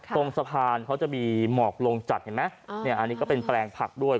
ตรงสะพานเขาจะมีหมอกลงจัดเห็นไหมเนี่ยอันนี้ก็เป็นแปลงผักด้วย